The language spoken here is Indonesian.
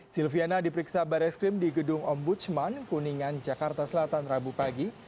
silviana diperiksa baris krim di gedung ombudsman kuningan jakarta selatan rabu pagi